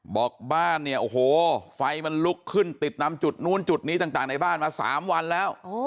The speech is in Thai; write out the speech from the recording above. บอกบ้านเนี่ยโอ้โหไฟมันลุกขึ้นติดตามจุดนู้นจุดนี้ต่างในบ้านมา๓วันแล้ว